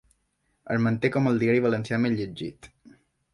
Es manté com el diari valencià més llegit.